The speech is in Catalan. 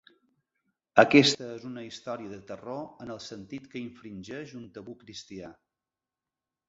Aquesta és una història de terror en el sentit que infringeix un tabú cristià.